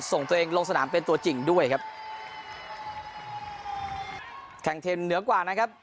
ส่งตัวเองลงสนามเป็นตัวจริงด้วยครับแข่งเทนเหนือกว่านะครับ